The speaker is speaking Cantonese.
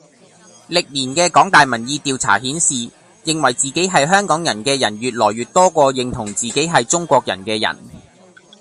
歷年嘅港大民意調查顯示，認為自己係香港人嘅人越來越多過認同自己係中國人嘅人。